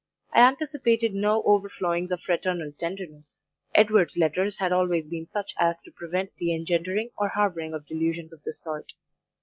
I anticipated no overflowings of fraternal tenderness; Edward's letters had always been such as to prevent the engendering or harbouring of delusions of this sort.